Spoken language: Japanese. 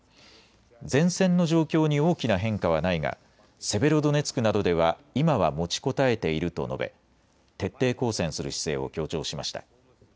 前線の状況に大きな変化はないがセベロドネツクなどでは今は持ちこたえていると述べ、徹底抗戦する姿勢を強調しました。